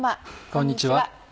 こんにちは。